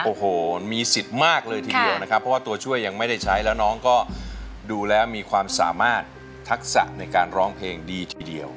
โอ้โหมีสิทธิ์มากเลยทีเดียวนะครับเพราะว่าตัวช่วยยังไม่ได้ใช้แล้วน้องก็ดูแล้วมีความสามารถทักษะในการร้องเพลงดีทีเดียว